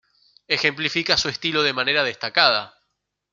Ejemplifica su estilo de manera destacada.